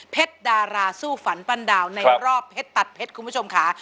ดาราสู้ฝันปั้นดาวในรอบเพชรตัดเพชรคุณผู้ชมค่ะ